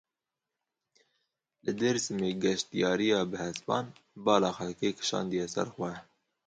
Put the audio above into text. Li Dêrsimê geştyariya bi hespan bala xelkê kişandiye ser xwe.